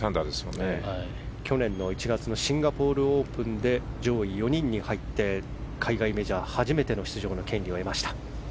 去年１月のシンガポールオープンで上位４人に入って海外メジャー初めての出場の権利を得ました。